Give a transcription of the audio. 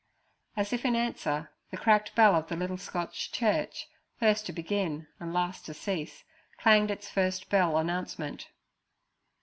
As if in answer, the cracked bell of the little Scotch church, first to begin and last to cease, clanged its 'first bell' announcement.